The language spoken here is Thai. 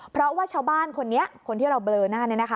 เพราะว่าชาวบ้านคนนี้คนที่เราเบลอหน้า